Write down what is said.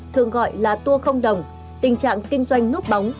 thường gọi là tour không đồng tình trạng kinh doanh núp bóng